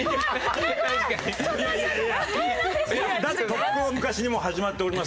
とっくの昔にもう始まっております。